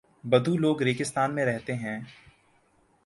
بدو لوگ ریگستان میں رہتے ہیں۔